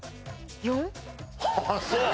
ああそう。